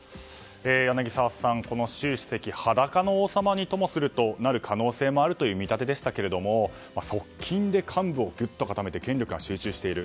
柳澤さん、この習主席裸の王様にともするとなる可能性もあるという見立てでしたけども側近で幹部を固めて権力が集中している。